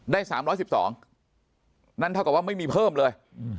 ได้๓๑๒นั่นเท่ากับว่าไม่มีเพิ่มเลย